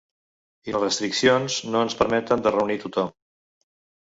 I les restriccions no ens permeten de reunir tothom.